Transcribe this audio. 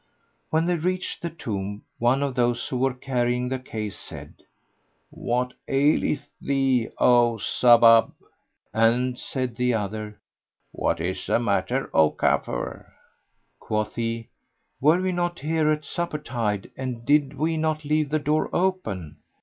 When they reached the tomb, one of those who were carrying the case said, "What aileth thee O Sawáb?"; and said the other, "What is the matter O Káfúr?"[FN#86] Quoth he, "Were we not here at supper tide and did we not leave the door open?"